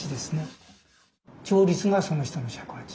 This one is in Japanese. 調律がその人の尺八。